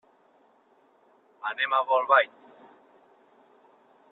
Anem a Bolbait.